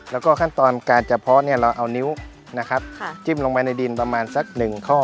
แล้วก็ขั้นตอนการจะเพาะเนี่ยเราเอานิ้วนะครับจิ้มลงไปในดินประมาณสักหนึ่งข้อ